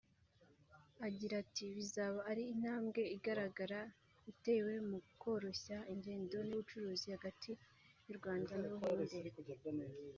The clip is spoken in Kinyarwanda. Agira ati “Bizaba ari intambwe igaragara itewe mu koroshya ingendo n’ubucuruzi hagati y’u Rwanda n’Ubuhinde